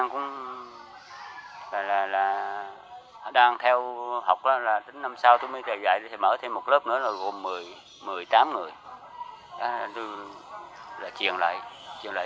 có mười mấy người hả